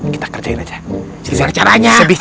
kita kerjain aja caranya